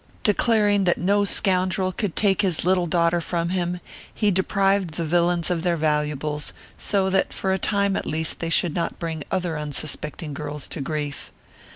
Declaring that no scoundrel could take his little daughter from him, he deprived the villains of their valuables, so that for a time at least they should not bring other unsuspecting girls to grief.